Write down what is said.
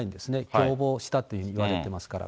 共謀したといわれてますから。